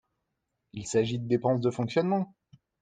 Il s’agit de dépenses de fonctionnement.